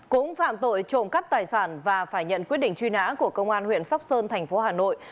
cũng phạm tội trộm cắp tài sản và phải nhận quyết định truy nã của công an huyện sóc sơn thành phố hà nội